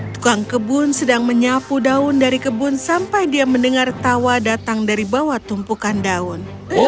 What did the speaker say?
tukang kebun sedang menyapu daun dari kebun sampai dia mendengar tawa datang dari bawah tumpukan daun